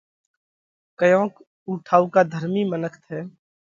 ڪيونڪ اُو ٺائُوڪا ڌرمِي منک ٿئه۔